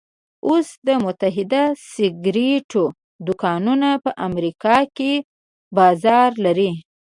اوس د متحده سګرېټو دوکانونه په امريکا کې بازار لري.